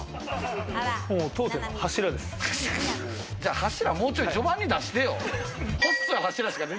柱、もうちょい序盤に出してよ！